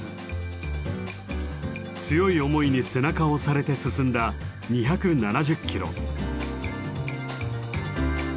強い思いに背中を押されて進んだ２７０キロ。